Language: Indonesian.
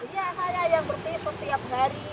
iya saya yang bersih setiap hari